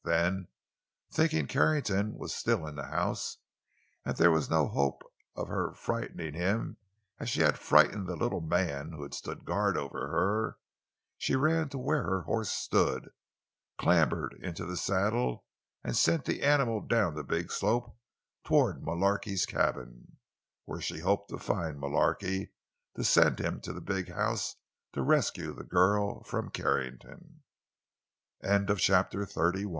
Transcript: Then, thinking Carrington was still in the house, and that there was no hope of her frightening him as she had frightened the little man who had stood guard over her, she ran to where her horse stood, clambered into the saddle, and sent the animal down the big slope toward Mullarky's cabin, where she hoped to find Mullarky, to send him to the big house to rescue the girl from Carrington.